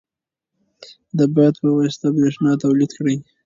د باد په واسطه برېښنا تولید کړئ.